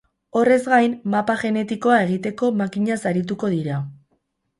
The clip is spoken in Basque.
Horrez gain, mapa genetikoa egiteko makinaz arituko dira.